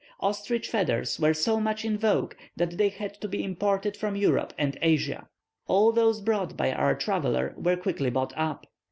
Ostrich feathers were so much in vogue that they had to be imported from Europe and Asia. All those brought by our traveller were quickly bought up.